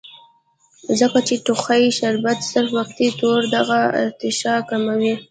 ځکه چې د ټوخي شربت صرف وقتي طور دغه ارتعاش کموي